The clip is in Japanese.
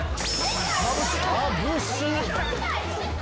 まぶしい！